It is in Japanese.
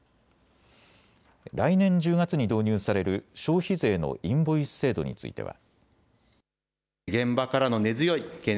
来年１０月に導入される消費税のインボイス制度については。